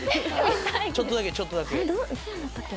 ちょっとだけちょっとだけ。